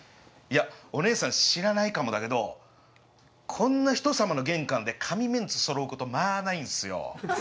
いやおねえさん知らないかもだけどこんな人様の玄関で神メンツそろうことまあないんすよ。